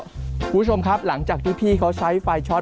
คุณผู้ชมครับหลังจากที่พี่เขาใช้ไฟช็อต